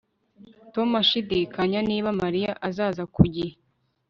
Tom ashidikanya niba Mariya azaza ku gihe